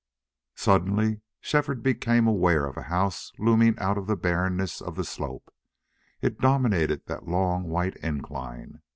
Suddenly Shefford became aware of a house looming out of the bareness of the slope. It dominated that long white incline.